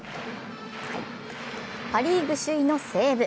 パ・リーグ首位の西武。